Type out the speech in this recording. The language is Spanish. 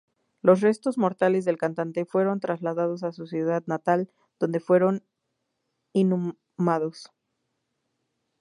Los restos mortales del cantante fueron trasladados a su ciudad natal, donde fueron inhumados.